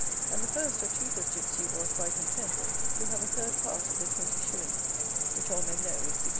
And the first or chiefest gypsy was, by consent, to have a third part of the twenty shillings, which all men know is 6s.